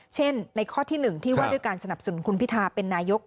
ในข้อที่๑ที่ว่าด้วยการสนับสนุนคุณพิทาเป็นนายก